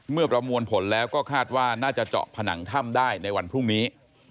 ประมวลผลแล้วก็คาดว่าน่าจะเจาะผนังถ้ำได้ในวันพรุ่งนี้